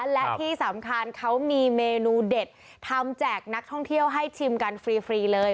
และที่สำคัญเขามีเมนูเด็ดทำแจกนักท่องเที่ยวให้ชิมกันฟรีเลย